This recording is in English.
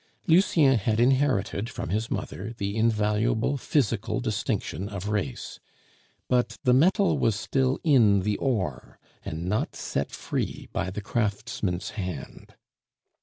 Lucien had inherited from his mother the invaluable physical distinction of race, but the metal was still in the ore, and not set free by the craftsman's hand.